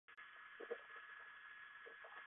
芳村堂是位于中国广州的一座基督教堂。